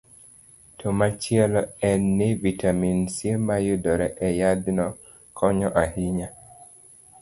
To machielo en ni, vitamin C ma yudore e yadhno konyo ahinya